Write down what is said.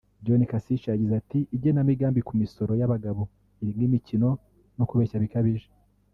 John Kasich yagize ati “ Igenamigambi ku misoro y’aba bagabo irimo imikino no kubeshya bikabije